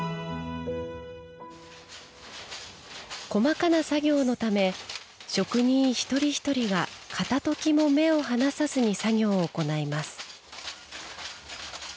細かな作業のため職人一人一人が片ときも目を離さずに作業を行います。